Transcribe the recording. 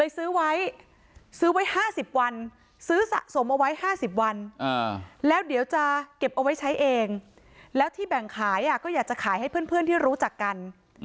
ซื้อไว้ซื้อไว้๕๐วันซื้อสะสมเอาไว้๕๐วันแล้วเดี๋ยวจะเก็บเอาไว้ใช้เองแล้วที่แบ่งขายก็อยากจะขายให้เพื่อนที่รู้จักกัน